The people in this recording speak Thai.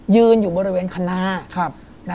ยืนอยู่บริเวณคณา